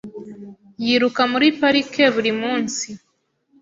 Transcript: Yiruka muri parike buri munsi .